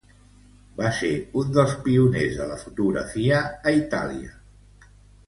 Va ser un dels pioners de la fotografia a Itàlia.